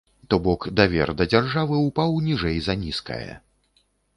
То бок, давер да дзяржавы ўпаў ніжэй за нізкае.